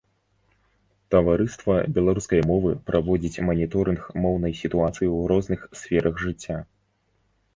Таварыства беларускай мовы праводзіць маніторынг моўнай сітуацыі ў розных сферах жыцця.